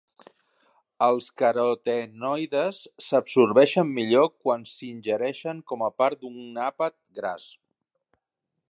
Els carotenoides s'absorbeixen millor quan s'ingereixen com a part d'un àpat gras.